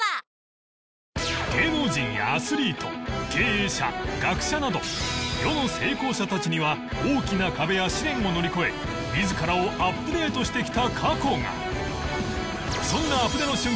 芸能人やアスリート経営者学者など世の成功者たちには大きな壁や試練を乗り越え自らをアップデートしてきた過去が